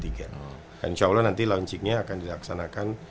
insya allah nanti launchingnya akan dilaksanakan